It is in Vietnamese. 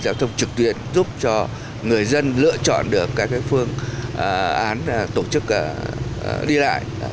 giao thông trực tuyến giúp cho người dân lựa chọn được các phương án tổ chức đi lại